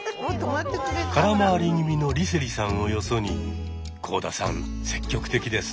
空回り気味の梨星さんをよそに幸田さん積極的です。